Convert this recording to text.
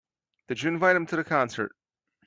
Did you invite him to the concert?